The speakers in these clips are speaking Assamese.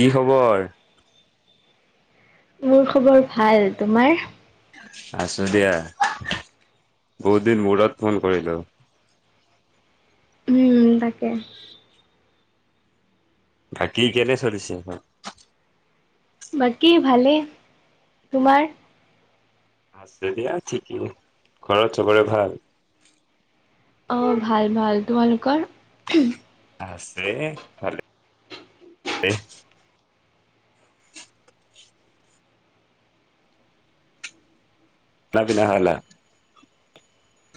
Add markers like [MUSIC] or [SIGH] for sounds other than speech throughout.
কি খবৰ? মোৰ খবৰ ভাল। তোমাৰ? আছো দিয়া। বহুত দিন মূৰত ফোন কৰিলোঁ। উম তাকে। থাকি কেলে চলিছে ঘৰ? বাকী ভালেই। তোমাৰ? এতিয়া ঠিকেই। ঘৰত চবৰে ভাল? অ', ভাল ভাল। তোমালোকৰ? আছে। ভালে [UNINTELLIGIBLE] না পিনা খালা?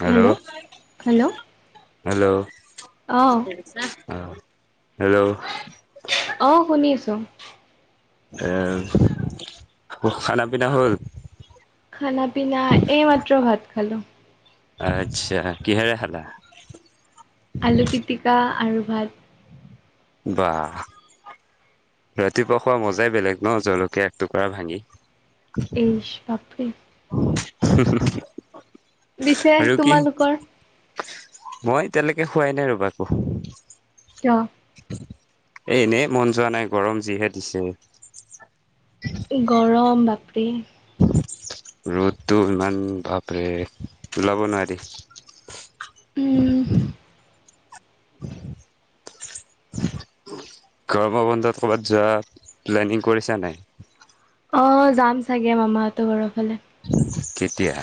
হেল্ল' হেল্ল' হেল্ল' অঁ অ, হেল্ল' অ', শুনি আছোঁ। এ' খানা পিনা হ'ল? খানা পিনা এইমাত্ৰ ভাত খালোঁ। আচ্ছা। কিহেৰে খালা? আলু পিটিকা আৰু ভাত। বাহ'। ৰাতিপুৱা খোৱা মজাই বেলেগ ন জলকীয়া একটুকুৰা ভাঙি। এইছ বাপৰে। [UNINTELLIGIBLE] বিছে আৰু কি তোমালোকৰ? মই এতিয়ালৈকে খোৱাই নাই ৰ'বা একো। কিয়? এ এনেই মন যোৱা নাই গৰম যিহে দিছে। গৰম বাপৰে। ৰ'দটো ইমান ভাপৰে ওলাব নোৱাৰি। উম। [INAUDIBLE] গৰমৰ বন্ধত ক'ৰবাত যোৱা প্লেনিং কৰিছা নাই? অ', যাম চাগে মামাহঁতৰ ঘৰৰফালে। কেতিয়া?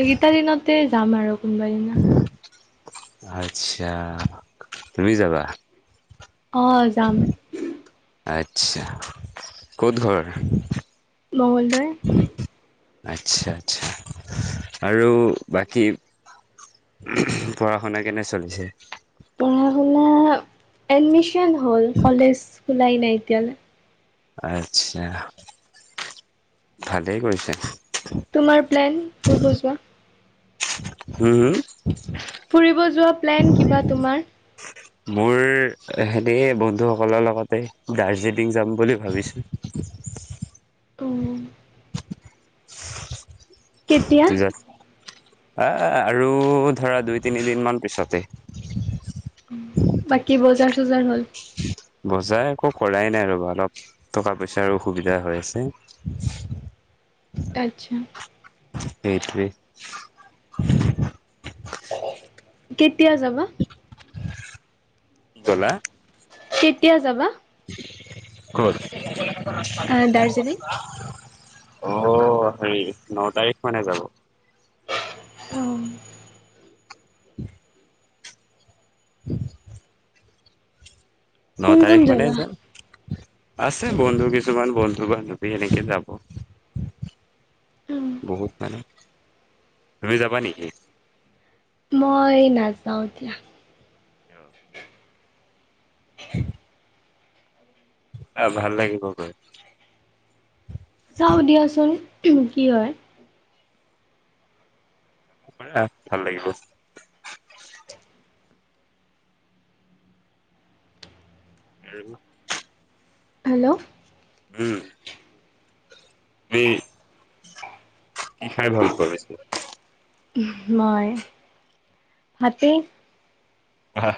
এইকেইটা দিনতে যাম আৰু কোনোবাই দিনা। আচ্ছা তুমি যাবা? আহ যাম। আচ্ছা, ক'ত ঘৰ? মঙলদৈ। আচ্ছা, আচ্ছা আৰু বাকী পঢ়া শুনা কেনে চলিছে? পঢ়া শুনা এডমিশন হ'ল কলেজ খোলাই নাই এতিয়ালৈ। আচ্ছা ভালেই কৰিছে। তোমাৰ প্লেন ফুৰিব যোৱা? হম হু? ফুৰিব যোৱা প্লেন কিবা তোমাৰ? মোৰ সেই বন্ধুসকলৰ লগতে দাৰ্জিলিং যাম বুলি ভাবিছো। অ'। কেতিয়া? যাত আহ আৰু ধৰা দুই তিনিদিন মান পিছতে। বাকী বজাৰ চজাৰ হ'ল? [INAUDIBLE] বজাই একো কৰাই নাই ৰ'বা অলপ টকা পইচাৰো অসুবিধা হৈ আছে। [INAUDIBLE] আচ্ছা। সেইটোৱে। কেতিয়া যাবা? কি কলা? কেতিয়া যাবা? ক'ত [UNINTELLIGIBLE] আহ অ', দাৰ্জিলিং? হেৰি ন তাৰিখ মানে যাব। অ'। [INAUDIBLE] [INAUDIBLE] ন কোন কোন তাৰিখ মানে যাবা? যাম। আছে বন্ধু কিছুমান বন্ধু [UNINTELLIGIBLE] এনেকে যাব বহুত মানুহ। তুমি যাবা নেকি? মই নাযাওঁ দিয়া। কিয়? আহ ভাল লাগিব গৈ। চাওঁ দিয়াচোন কি হয়। ব'লা ভাল লাগিব। [INAUDIBLE] হেল্ল'? উম। মিচ, কি খাই ভাল পোৱা বেছি? মই? ভাতেই। আহ,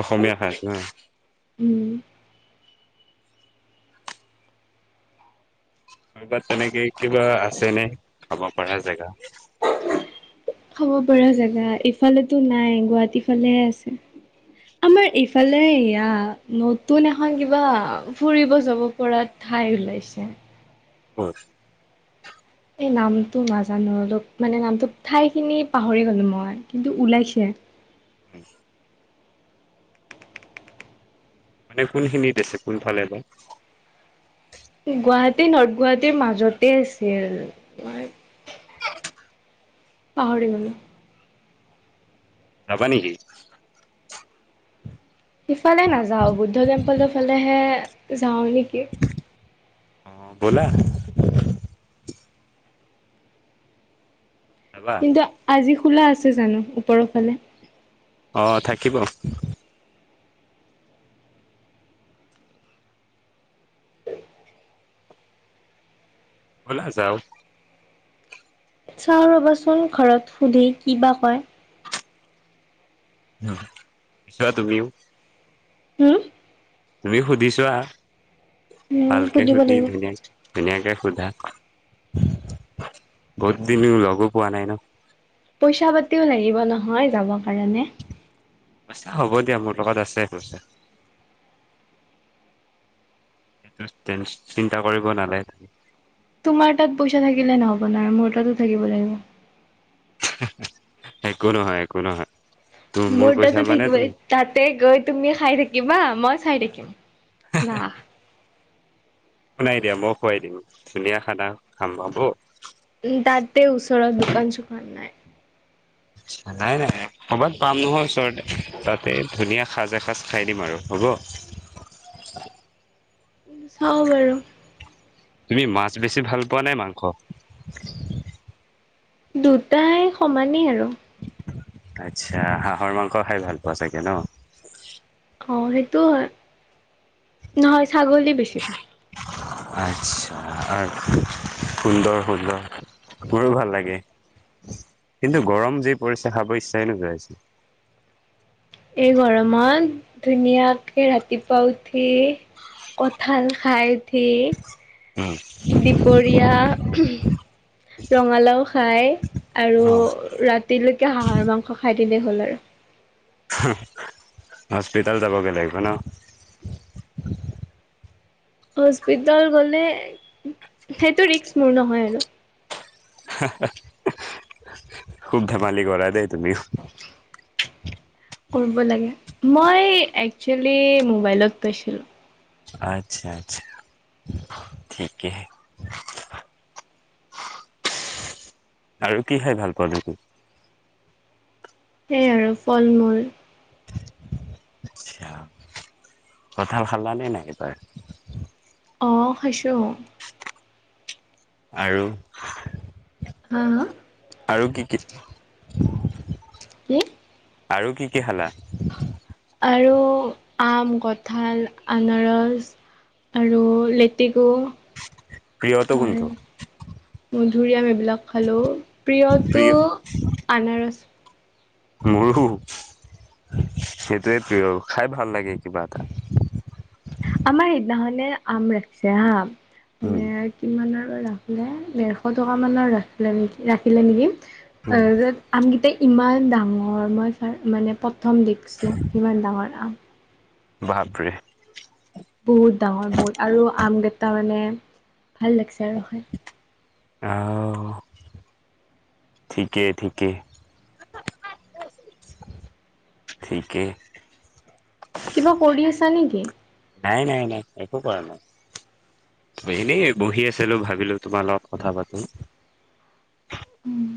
অসমীয়া সাজ না। উম। কৰবাত তেনেকে কিবা আছে নে? খাব পৰা জেগা। খাব পৰা জেগা এইফালেতো নাই, গুৱাহাটী ফালেহে আছে। আমাৰ এইফালে ইয়াত, নতুন এখন কিবা ফুৰিব যাব পৰা ঠাই ওলাইছে। হয়। এই নামটো নাজানো, অলপ মানে নামটো, ঠাই খিনি পাহৰি গ'লো মই, কিন্তু ওলাইছে। [INAUDIBLE] উম। মানে কোনখিনিত আছে? কোনফালে বা। গুৱাহাটী, নৰ্থ গুৱাহাটীৰ মাজতেই আছিল। [UNINTELLIGIBLE] পাহৰি গ'লো। যাবা নেকি? সিফালে নাযাওঁ, বুদ্ধ টেম্পলৰ ফালেহে যাওঁ নেকি। অহ, ব'লা। যাবা কিন্তু আজি খোলা আছে জানো, ওপৰৰ ফালে। অ', থাকিব। ব'লা যাওঁ। চাওঁ ৰ'বাচোন, ঘৰত সুধি, কি বা কয়। উম, চোৱা তুমিও। হম। তুমি সুধি চোৱা, উম, ভালকে সুধিব সুধি লাগিব। ধুনীয়াক ধুনীয়াকে সোধা, বহুত দিনো লগো পোৱা নাই ন'। পইচা পাতিও লাগিব নহয়, যাব কাৰণে। পইচা হ'ব দিয়া, মোৰ লগত আছে পইচা। সেইটো তেন চিন্তা কৰিব নালাগে। তোমাৰ তাত পইচা থাকিলে নহব নহয়, মোৰ তাতো থাকিব লাগিব। হেহ হেহ। একো নহয়, একো নহয়। তোৰ মোৰ পইচা তাতো মানে থাকিব, তো তাতেই গৈ তুমি খাই থাকিবা, মই চাই থাকিম। না। একো নাই দিয়া, মই খুৱাই দিম, ধুনীয়া খানা খাম, হ'ব। তাতেই ওচৰত দোকান চোকান নাই। নাই নাই, কৰ'বাত পাম নহয় ওচৰতে, তাতেই ধুনীয়া সাজ এসাঁজ খাই দিম আৰু। হ'ব? [INAUDIBLE] চাওঁ বাৰু। তুমি মাছ বেছি ভাল পোৱা নে মাংস? দুটাই সমানেই আৰু। আচ্ছা, হাঁহৰ মাংস খাই ভাল পোৱা চাগে ন। অ', সেইটোওঁ হয়, নহয়, ছাগলী বেছি ভাল। আচ্ছা আৰ, সুন্দৰ সুন্দৰ। মোৰো ভাল লাগে, কিন্তু গৰম যি পৰিছে, খাব ইচ্ছাই নোযায় চোন। [UNINTELLIGIBLE] এই গৰমত, ধুনীয়াকে ৰাতিপুৱা উঠি কঁঠাল খাই উঠি উম, দুপৰীয়া ৰঙালাওঁ খাই আৰু ৰাতিলৈকে হাঁহৰ মাংস খাই দিলেই হ'ল আৰু। হাহ, হস্পিতাল যাবগে লাগিব ন? হস্পিতাল গ'লে, সেইটো ৰিস্ক মোৰ নহয় আৰু। হে-হে খুব ধেমালি কৰা দে। তুমি। কৰিব লাগে। মই এক্সুৱেলি মোবাইলত পাইছিলো। আচ্ছা-আচ্ছা, ঠিকে। আৰু কি খাই ভাল পোৱা তুমি? সেই আৰু ফল-মূল। কঁঠাল খালা নে নাই এইবাৰ? অ' খাইছো। আৰু? হা-হা? আৰু কি কি কি? আৰু কি কি খালা? আৰু আম, কঁঠাল, আনাৰস। আৰু লেতেকু। প্ৰিয়টো কোনটো? মধুৰিআম এইবিলাক খালো। প্ৰিয়টো প্ৰিয় আনাৰস। মোৰো। সেইটোৱে প্ৰিয়। খাই ভাল লাগে কিবা এটা। আমাৰ সেইদিনাখনে আম ৰাখিছে হাঁ, উম, মানে কিমানৰ ৰাখিলে। ডেৰশ টকা মানৰ ৰাখিলে নেকি, ৰাখিলে নেকি, [UNINTELLIGIBLE] আমকিটাই ইমান ডাঙৰ! মই ফাৰ-মানে প্ৰথম দেখছোঁ, ইমান ডাঙৰ আম। বাপৰে। বহুত ডাঙৰ বহুত আৰু আমকেইটা মানে ভাল লাগছে আৰু খায়। আও। ঠিকেই ঠিকেই। [UNINTELLIGIBLE] ঠিকে। ছা নেকি? নাই, নাই, নাই, একো কৰা নাই। এনেই বহি আছিলোঁ, ভাবিলোঁ তোমাৰ লগত কথা পাতো। উম।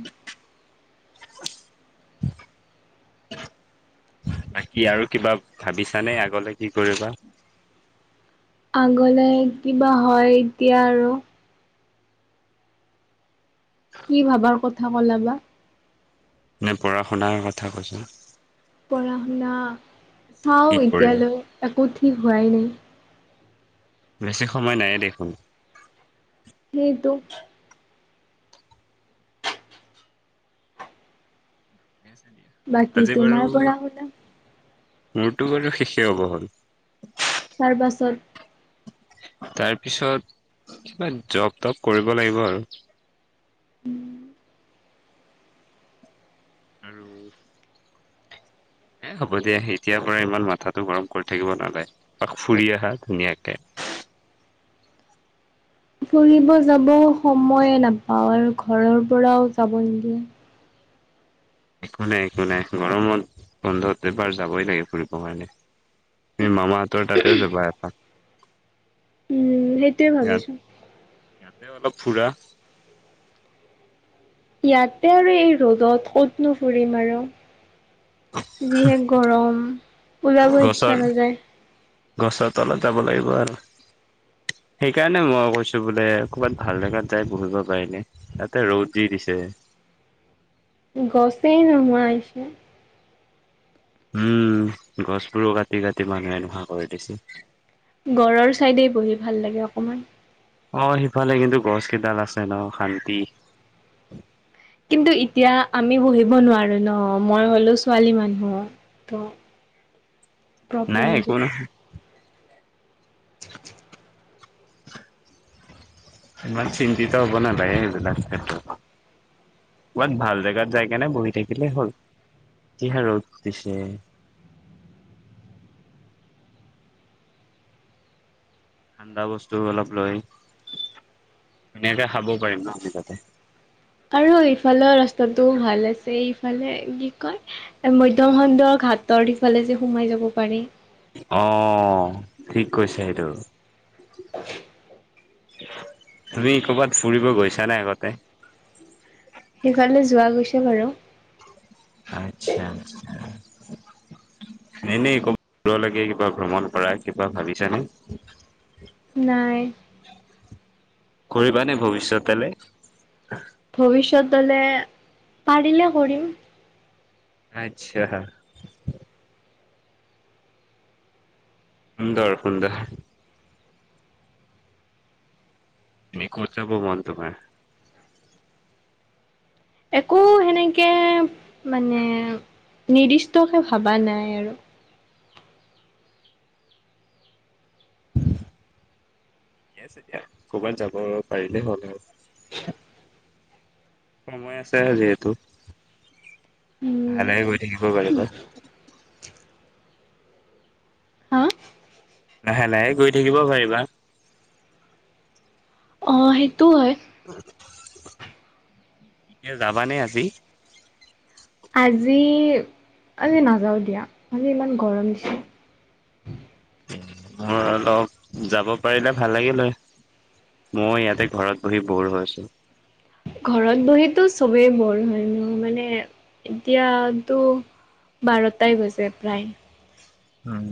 বাকী আৰু কিবা ভাবিছা নে আগলৈ কি কৰিবা? আগলে কি বা হয় এতিয়া আৰু! কি ভাবাৰ কথা ক'লা বা! নে পঢ়া-শুনাৰ কথা কৈছোঁ। পঢ়া-শুনা, চাওঁ কি কৰিবা এতিয়ালৈ, একো ঠিক হোৱাই নাই। বেছি সময় নাইয়ে দেখোন! সেইটো বাকী তোমাৰ পঢ়া-শুনা? মোৰটো বাৰু শেষে হ'ব হ'ল। তাৰপাছত তাৰপিছত কিবা জব-টব কৰিব লাগিব আৰু। উম। আৰু এ হ'ব দিয়া, এতিয়াৰ পৰা ইমান মাথাটো গৰম কৰি থাকিব নালাগে। অলপ ফুৰি আহা ধুনীয়াকে। [INAUDIBLE] ফুৰিব যাবও সময়ে নাপাওঁ। আৰু ঘৰৰ পৰাও যাব নিদিয়ে। একো নাই, একো নাই। গৰমত বন-বন্ধত এবাৰ যাবই লাগে ফুৰিবৰ কাৰণে। তুমি মামাহঁতৰ তাতেও যাবা এপাক। উম, সেইটোয়ে ভাবিছোঁ। সেয়ে অলপ ফুৰা। ইয়াতে আৰু এই ৰ'দত ক'তনো ফুৰিম আৰু। যিহে গৰম ওলাবৰ গছৰ ইচ্ছা নাযায়। গছৰ তলত যাব লাগিব আৰু। সেইকাৰণে মই কৈছোঁ বোলে ক'ৰবাত ভাল জেগাত যাই বহিব পাৰিলে, তাতে ৰ'দ যি দিছে। গছেই নোহোৱা হৈছে। উম, গছবোৰো কাটি কাটি মানুহে এনেকুৱা কৰি দিছে। ঘৰৰ চাইডে বহি ভাল লাগে অকমান। অ' সিফালে কিন্তু গছকেইডাল আছে ন' শান্তি কিন্তু এতিয়া আমি বহিব নোৱাৰো ন', মই হলো ছোৱালী মানুহ ত প্ৰব্লেম নাই হৈ একো যায়। নহয়। [INAUDIBLE] ইমান চিন্তিত হ'ব নাপায়ে এইবিলাক ক্ষেত্ৰত। ক'বাত ভাল জেগাত যায় কেনে বহি থাকিলেই হ'ল। কিহে ৰ'দ দিছে। ঠাণ্ডা বস্তু অলপ লৈ ধুনীয়াকে খাব পাৰিম ন' আমি তাতে। আৰু ইফালৰ ৰাস্তাটো ভাল আছে, ইফালে কি কয় মধ্য খণ্ড হাতৰ সিফালে যে সোমাই যাব পাৰি। অ' ঠিক কৈছে সেইটো। [INAUDIBLE] তুমি কৰ'বাত ফুৰিব গৈছানে আগতে? সেইফালে যোৱা গৈছোঁ বাৰু। আচ্ছা, আচ্ছা। এনেই ক'বাত যাব লাগে, কিবা ভ্ৰমণ কৰা, কিবা ভাবিছানে? নাই। কৰিবানে ভৱিষ্যতলে? ভৱিষ্যত মানে পাৰিলে কৰিম। আচ্ছা। সুন্দৰ সুন্দৰ। তুমি ক'ত যাব মন তোমাৰ? একো হেনেকে মানে নিৰ্দিষ্টকে ভবা নাই আৰু। ঠিকে আছে দিয়া। ক'ৰবাত যাব পাৰিলে হ'ল। সময় আছে যিহেতু, উম ভালে গৈ শিকিব পাৰিবা। হা লাহে লাহে গৈ থাকিব পাৰিবা। অ' সেইটোও হয়। এতিয়া যাবানে আজি? আজি, আজি নাযাও দিয়া। মোৰ ইমান গৰম দিছে। [INAUDIBLE] মোৰ অলপ যাব পাৰিলে ভাল লাগিল হয়। মই ইয়াতে ঘৰত বহি ব'ৰ হৈ আছোঁ। ঘৰত বহিতো চবেই ব'ৰ হয়, মোৰ মানে এতিয়াতো বাৰটাই হৈছে প্ৰায়। হুম।